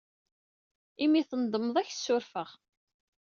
Imi ay tnedmeḍ, ad ak-ssurfeɣ.